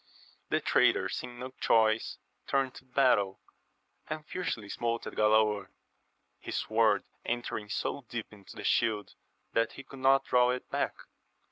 The traitor seeing no choice turned to battle, and fiercely smote at Galaor, his sword entering so deep into the shield that he could not draw it back.